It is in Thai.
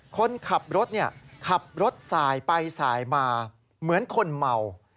คนขับรถขับรถสายไปสายมาเหมือนคนเมา